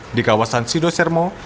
banjir di kawasan sido sermo